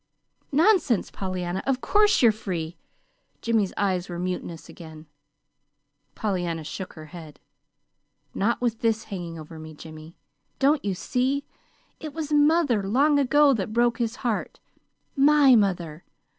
"Nonsense, Pollyanna! Of course you're free!" Jimmy's eyes were mutinous again. Pollyanna shook her head. "Not with this hanging over me, Jimmy. Don't you see? It was mother, long ago, that broke his heart MY MOTHER.